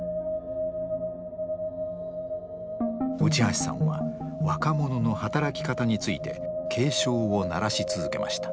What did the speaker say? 内橋さんは若者の働き方について警鐘を鳴らし続けました。